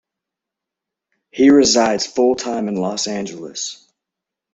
He resides full-time in Los Angeles.